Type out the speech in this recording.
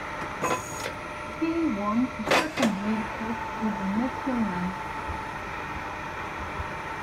He won a second league cup with the Methil men.